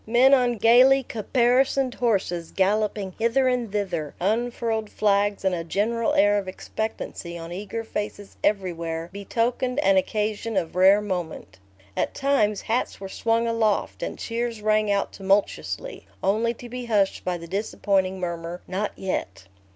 Men on gayly caparisoned horses galloping hither and thither, unfurled flags, and a general air of expectancy on eager faces everywhere betokened an occasion of rare moment. At times hats were swung aloft and cheers rang out tumultuously, only to be hushed by the disappointing murmur, "Not yet."